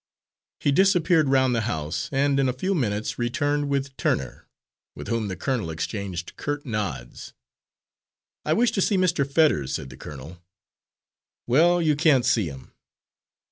He disappeared round the house and in a few minutes returned with Turner, with whom the colonel exchanged curt nods. "I wish to see Mr. Fetters," said the colonel. "Well, you can't see him."